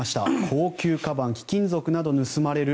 高級かばん貴金属などが盗まれる。